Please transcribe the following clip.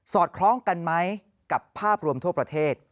คล้องกันไหมกับภาพรวมทั่วประเทศ